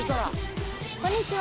こんにちは。